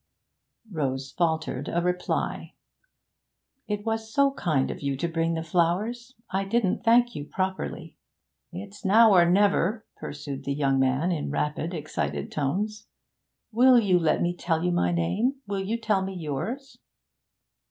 Rose faltered a reply. 'It was so kind to bring the flowers. I didn't thank you properly.' 'It's now or never,' pursued the young man in rapid, excited tones. 'Will you let me tell you my name? Will you tell me yours?'